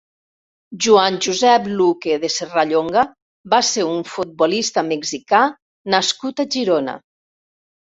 Joan Josep Luque de Serrallonga va ser un futbolista mexicà nascut a Girona.